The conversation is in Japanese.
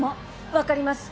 分かります！